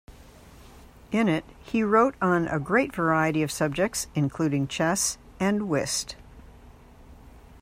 In it he wrote on a great variety of subjects, including chess and whist.